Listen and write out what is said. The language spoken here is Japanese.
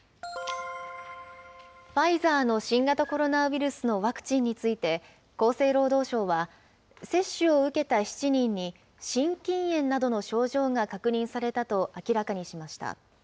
ファイザーの新型コロナウイルスのワクチンについて、厚生労働省は、接種を受けた７人に、心筋炎などの症状が確認されたと明らかにしました。